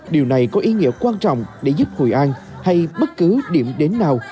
điều này có ý nghĩa quan trọng để giúp hội an hay bất cứ điểm đến nào